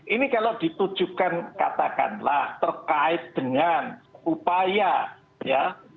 ini kalau ditujukan katakanlah terkait dengan upaya ya